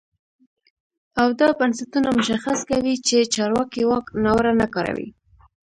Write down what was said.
او دا بنسټونه مشخص کوي چې چارواکي واک ناوړه نه کاروي.